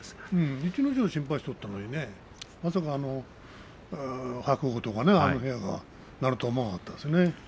逸ノ城を心配していたのに、まさか白鵬とかあの部屋がなると思わなかったですね。